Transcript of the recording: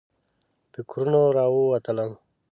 فکرونو راووتلم.